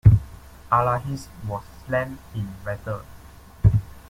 Alahis was slain in battle.